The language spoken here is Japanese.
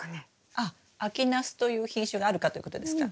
あっ秋ナスという品種があるかということですか？